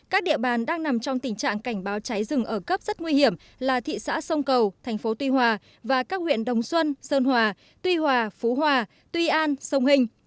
các địa bàn đang nằm trong tình trạng cảnh báo cháy rừng ở cấp rất nguy hiểm là thị xã sông cầu thành phố tuy hòa và các huyện đồng xuân sơn hòa tuy hòa phú hòa tuy an sông hình